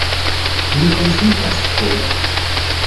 Mi konsentas kun...